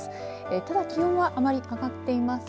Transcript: ただ気温はあまり上がっていません。